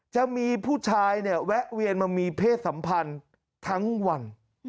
จะมีผู้ชายเนี่ยแวะเวียนมามีเพศสัมพันธ์ทั้งวัน